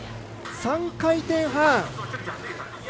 ３回転半。